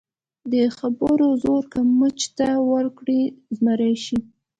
د خبرو زور که مچ ته ورکړې، زمری شي.